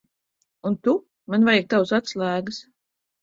Un tu. Man vajag tavas atslēgas.